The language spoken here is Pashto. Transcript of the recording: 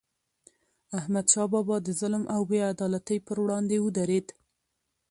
احمد شاه بابا د ظلم او بې عدالتی پر وړاندې ودرید.